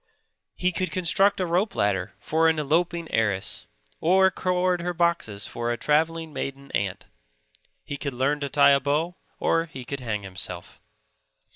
He could construct a rope ladder for an eloping heiress, or cord her boxes for a travelling maiden aunt. He could learn to tie a bow, or he could hang himself.